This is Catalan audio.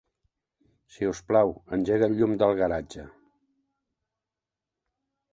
Si us plau, engega el llum del garatge.